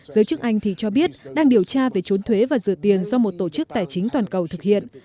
giới chức anh thì cho biết đang điều tra về trốn thuế và rửa tiền do một tổ chức tài chính toàn cầu thực hiện